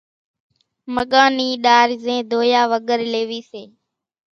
مڳان ني ڏار زين ڌويا وڳرِ ليوي سي